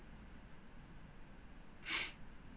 フッ。